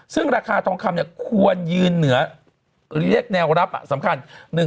ซึ่งราคาทองคำควรยืนเหนือเรียกแนวรับสำคัญ